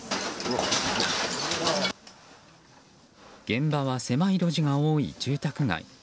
現場は狭い路地が多い住宅街。